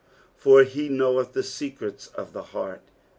for he knoweth the secrets of the heart.